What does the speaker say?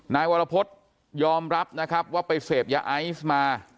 นายวรพฤษยอมรับนะครับว่าไปเสพยาไอซ์มา